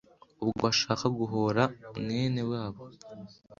ubwo bashaka guhora mwewne wabo